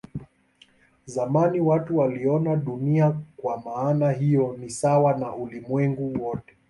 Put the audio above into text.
Zamani watu waliona Dunia kwa maana hiyo ni sawa na ulimwengu wote.